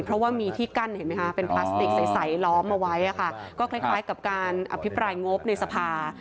เพราะว่ามีที่กั้นเห็นไหมคะเป็นพลาสติกใสล้อมเอาไว้ก็คล้ายกับการอภิปรายงบในสภา